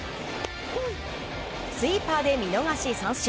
スイーパーで見逃し三振。